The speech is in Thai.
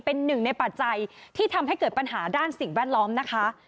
เป็นหนึ่งในปัจจัยที่ทำให้เกิดปัญหาด้านสิ่งแวดล้อมนะคะ